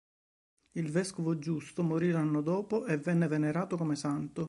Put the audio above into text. Il vescovo Giusto morì l'anno dopo e venne venerato come santo.